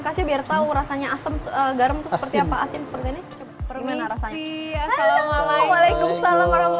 kali ini biar tahu rasanya asem garam seperti apa asin seperti ini gimana rasanya asal malah